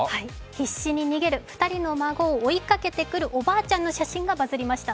必死に逃げる２人の孫を追いかけてくるおばあちゃんの写真がバズりました。